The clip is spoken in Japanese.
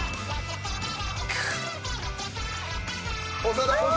長田？